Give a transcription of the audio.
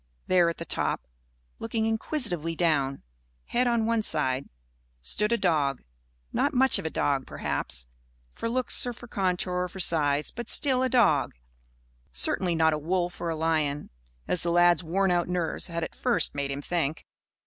There at the top, looking inquisitively down, head on one side, stood a dog not much of a dog, perhaps, for looks or for contour or for size, but still a dog; certainly not a wolf or a lion, as the lad's worn out nerves had at first made him think.